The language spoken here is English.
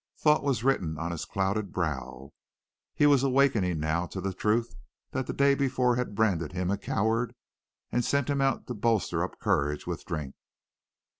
Thought was written on his clouded brow. He was awakening now to the truth that the day before had branded him a coward and sent him out to bolster up courage with drink.